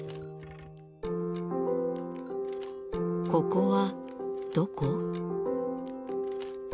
ここはどこ？